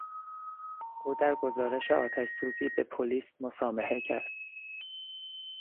او در گزارش آتش سوزی به پلیس مسامحه کرد.